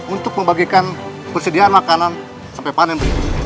untuk membagikan persediaan makanan sampai panen berikut